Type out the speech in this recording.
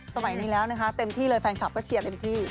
สมัยนี้แล้วนะคะเต็มที่เลยแฟนคลับก็เชียร์เต็มที่